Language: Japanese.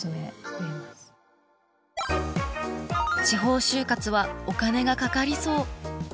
地方就活はお金がかかりそう。